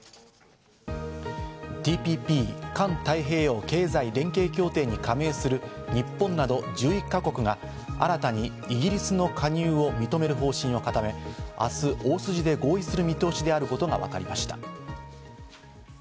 ＴＰＰ＝環太平洋経済連携協定に加盟する日本など１１か国が新たにイギリスの加入を認める方針を固め、明日、大筋で合意する見通しであることがわかりました。